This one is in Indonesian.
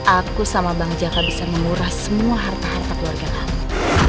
aku sama bang jaka bisa menguras semua harta harta keluarga kami